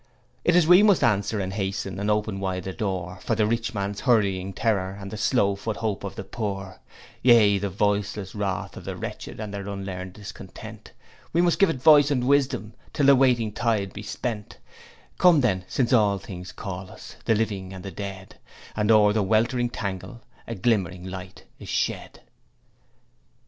'It is We must answer and hasten and open wide the door, For the rich man's hurrying terror, and the slow foot hope of the poor, Yea, the voiceless wrath of the wretched and their unlearned discontent, We must give it voice and wisdom, till the waiting tide be spent Come then since all things call us, the living and the dead, And o'er the weltering tangle a glimmering light is shed.'